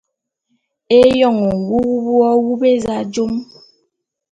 Éyoň nwuwup w’awup éza jom.